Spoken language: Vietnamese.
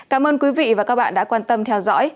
cảm ơn quý vị và các bạn đã quan tâm theo dõi